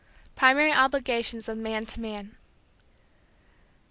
V. PRIMARY OBLIGATIONS OF MAN TO MAN.